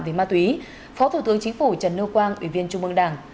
với ma túy phó thủ tướng chính phủ trần nương quang ủy viên trung mương đảng